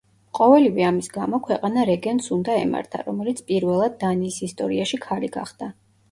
ყოველივე ამის გამო, ქვეყანა რეგენტს უნდა ემართა, რომელიც პირველად დანიის ისტორიაში ქალი გახდა.